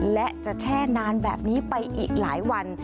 และจะแช่นานแบบนี้ไปอีกหลายวัน